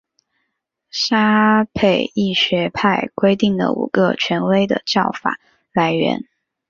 沙斐仪学派规定了五个权威的教法来源。